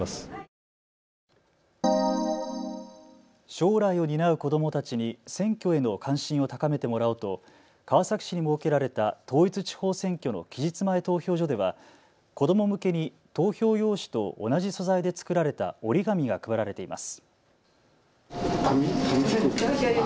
将来を担う子どもたちに選挙への関心を高めてもらおうと川崎市に設けられた統一地方選挙の期日前投票所では子ども向けに投票用紙と同じ素材で作られた折り紙が配られています。